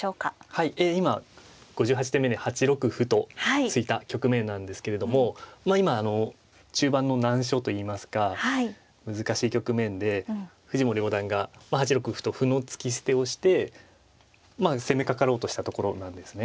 はい今５８手目に８六歩と突いた局面なんですけれどもまあ今中盤の難所といいますか難しい局面で藤森五段が８六歩と歩の突き捨てをして攻めかかろうとしたところなんですね。